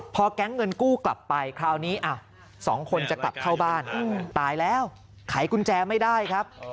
พอแก๊งเงินกู้กลับไปคราวนี้สองคนจะกลับเข้าบ้านตายแล้วไขกุญแจไม่ได้ครับ